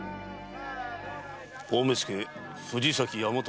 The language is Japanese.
大目付・藤崎大和亮が？